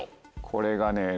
これがね